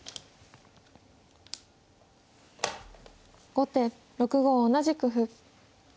後手６五同じく歩。